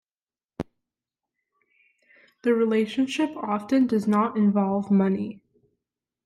The relationship often does not involve money.